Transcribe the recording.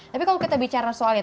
tapi kalau kita bicara soalnya